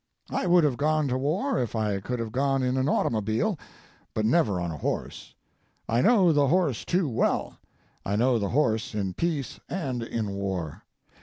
I would have gone to war if I could have gone in an automobile, but never on a horse. I know the horse too well; I know the horse in peace and in war.